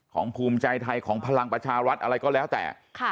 ภูมิใจไทยของพลังประชารัฐอะไรก็แล้วแต่